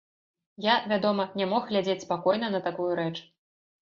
Я, вядома, не мог глядзець спакойна на такую рэч.